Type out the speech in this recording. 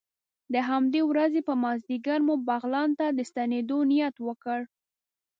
د همدې ورځې په مازدیګر مو بغلان ته د ستنېدو نیت وکړ.